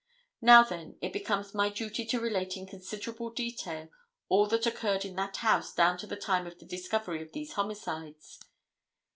Now, then, it becomes my duty to relate in considerable detail all that occurred in that household down to the time of the discovery of these homicides.